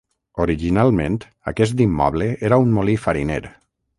Originalment aquest immoble era un molí fariner.